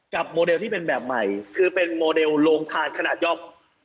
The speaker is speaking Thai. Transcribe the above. โมเดลที่เป็นแบบใหม่คือเป็นโมเดลโรงทานขนาดย่อม